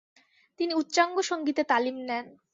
তিনি উচ্চাঙ্গ সঙ্গীতে তালিম নেন।